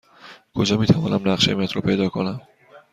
کجا می توانم نقشه مترو پیدا کنم؟